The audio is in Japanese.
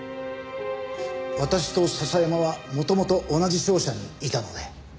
私と笹山は元々同じ商社にいたので。